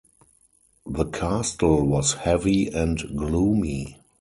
The castle was heavy and gloomy.